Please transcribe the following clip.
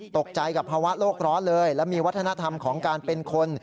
ตกใจกับภาวะโลกร้อนเลยและมีวัฒนธรรมของการเป็นคน